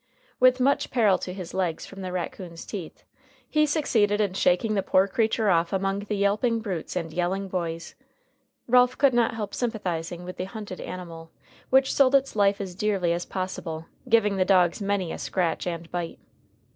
With much peril to his legs from the raccoon's teeth, he succeeded in shaking the poor creature off among the yelping brutes and yelling boys. Ralph could not help sympathizing with the hunted animal, which sold its life as dearly as possible, giving the dogs many a scratch and bite.